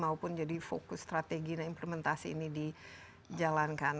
maupun jadi fokus strategi dan implementasi ini dijalankan